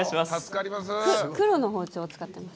黒の包丁を使ってます。